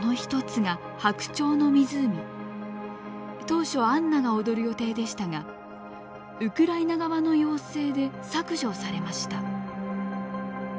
当初アンナが踊る予定でしたがウクライナ側の要請で削除されました。